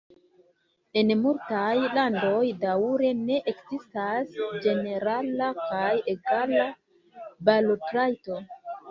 En multaj landoj daŭre ne ekzistas ĝenerala kaj egala balotrajto.